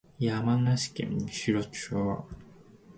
山梨県身延町